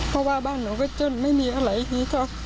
เพราะว่าบ้านหนูก็จ้นไม่มีอะไรอย่างนี้